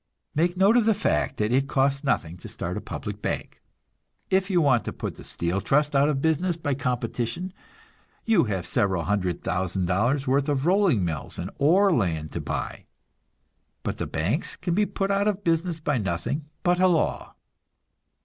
Make note of the fact that it costs nothing to start a public bank. If you want to put the steel trust out of business by competition, you have several hundred thousand dollars worth of rolling mills and ore land to buy; but the banks can be put out of business by nothing but a law.